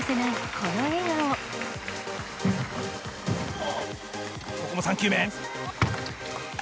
ここも３球目。